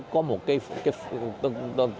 có một cái phương áp